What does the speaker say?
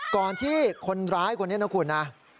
ก่อนที่คนร้ายคนนี้นะคุณนะ